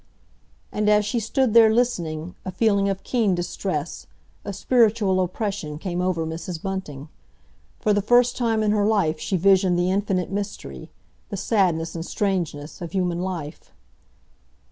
'" And as she stood there listening, a feeling of keen distress, of spiritual oppression, came over Mrs. Bunting. For the first time in her life she visioned the infinite mystery, the sadness and strangeness, of human life.